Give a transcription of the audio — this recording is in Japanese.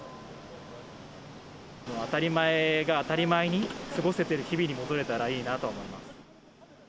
当たり前が当たり前に過ごせてる日々に戻れたらいいなと思います。